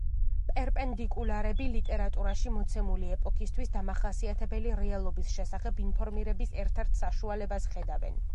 პერპენდიკულარები ლიტერატურაში მოცემული ეპოქისთვის დამახასიათებელი რეალობის შესახებ ინფორმირების ერთ-ერთ საშუალებას ხედავენ.